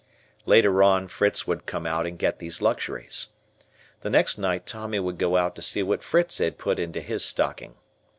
Later on Fritz would come out and get these luxuries. The next night Tommy would go out to see what Fritz had put into his stocking.